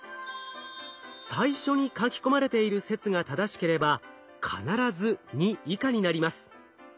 最初に書き込まれている説が正しければ必ず「２」以下になります。